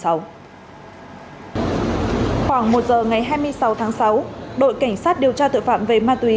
khoảng một giờ ngày hai mươi sáu tháng sáu đội cảnh sát điều tra tội phạm về ma túy